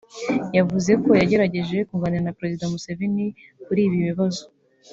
yavuze ko yagerageje kuganira na Perezida Museveni kuri ibi bibazo